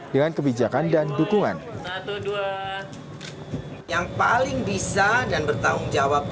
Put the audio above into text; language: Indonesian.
dengan kebijakan dan dukungan